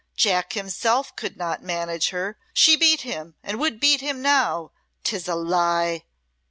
Jack himself could not manage her. She beat him, and would beat him now. 'Tis a lie!"